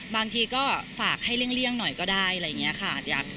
บางทีก็ฝากให้เลี่ยงหน่อยก็ได้อะไรอย่างนี้ค่ะ